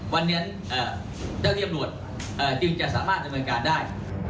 วันนี้เจ้าที่ตำรวจจึงจะสามารถดำเนินการได้